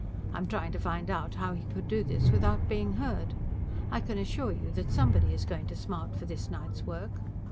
I am trying to find out how he could do this without being heard. I can assure you that somebody is going to smart for this night's work.